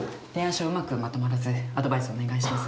書うまくまとまらずアドバイスお願いします。